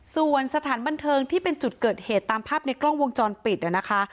ส่วนสถานบันเทิงที่เป็นจุดเกิดเหตุตามภาพในกล้องวงจรปิดนะคะ